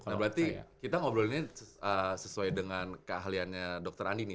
nah berarti kita ngobrol ini sesuai dengan keahliannya dokter andi nih